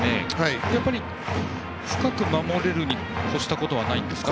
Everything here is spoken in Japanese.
やっぱり、深く守れるに越したことはないんですか。